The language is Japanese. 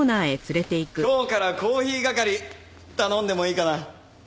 今日からコーヒー係頼んでもいいかな？